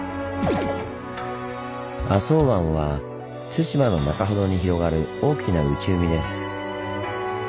浅茅湾は対馬の中ほどに広がる大きな内海です。